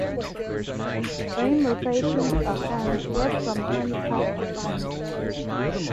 Rainbow sightings are fun, yet sometimes hard to find.